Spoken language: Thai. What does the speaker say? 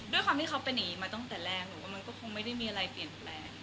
ด้วยความที่เขาไปหนีมาตั้งแต่แรกมันก็คงไม่ได้มีอะไรเปลี่ยนแปลง